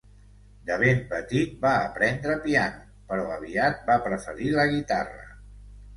De ben petit va aprendre piano, però aviat va preferir la guitarra.